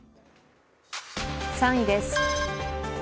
３位です。